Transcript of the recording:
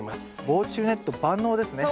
防虫ネット万能ですね。